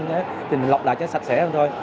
thì mình lọc lại cho sạch sẽ hơn thôi